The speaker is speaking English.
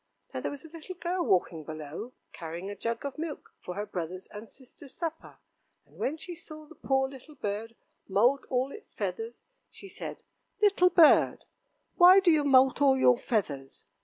Now there was a little girl walking below, carrying a jug of milk for her brothers' and sisters' supper, and when she saw the poor little bird moult all its feathers, she said: "Little bird, why do you moult all your feathers?"